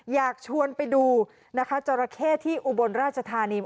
อยากชวนไปดูนะคะจราเข้ที่อุบลราชธานี